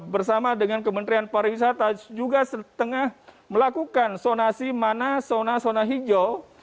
bersama dengan kementerian pariwisata juga setengah melakukan sonasi mana zona zona hijau